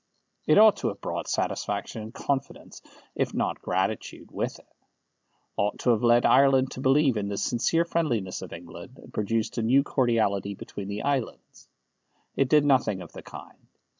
It ought to have brought satisfaction and confidence, if not gratitude, with it; ought to have led Ireland to believe in the sincere friendliness of England, and produced a new cordiality between the islands. It did nothing of the kind.